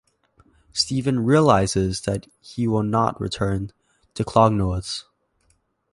Stephen realises that he will not return to Clongowes.